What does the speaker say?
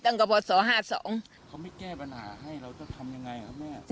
เขาไม่แก้ปัญหาให้เราจะทำยังไงครับแม่